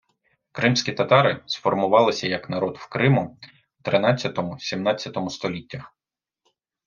Кримські татари сформувалися як народ в Криму в тринадцятому - сімнадцятому століттях.